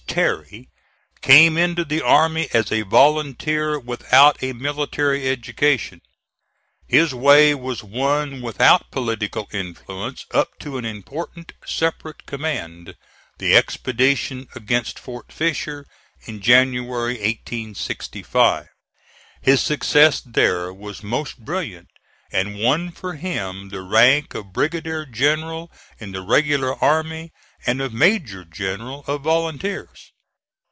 Terry came into the army as a volunteer without a military education. His way was won without political influence up to an important separate command the expedition against Fort Fisher, in January, 1865. His success there was most brilliant, and won for him the rank of brigadier general in the regular army and of major general of volunteers.